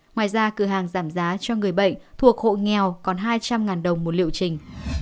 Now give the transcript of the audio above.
ngoài ra cửa hàng giảm giá cho người bệnh thuộc hộ nghèo còn hai trăm linh đồng một liệu trình